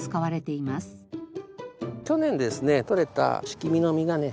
去年ですね取れたシキミの実がね。